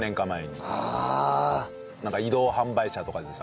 なんか移動販売車とかでさ。